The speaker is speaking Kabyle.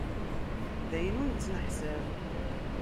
D ayen ur nettneḥsab.